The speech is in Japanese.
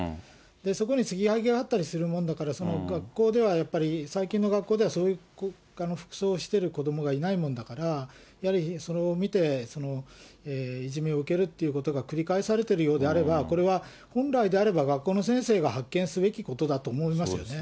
そこにつぎはぎがあったりするものだから、学校ではやっぱり、最近の学校では、そういう服装をしてる子どもがいないんだから、やはり見て、いじめを受けるってことが繰り返されてるようであれば、これは本来であれば、学校の先生が発見すべきことだと思いますよね。